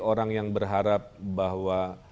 orang yang berharap bahwa